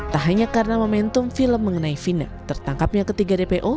tak hanya karena momentum film mengenai vina tertangkapnya ketiga dpo